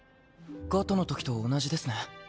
ガトのときと同じですね。